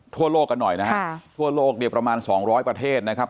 ทั่วโลกกันหน่อยนะคะค่ะทั่วโลกเดียวประมาณสองร้อยประเทศนะครับ